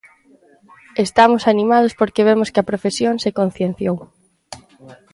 Estamos animados porque vemos que a profesión se concienciou.